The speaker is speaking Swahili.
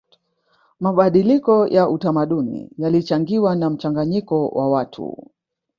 mabadiliko ya utamaduni yalichangiwa na mchanganyiko wa watu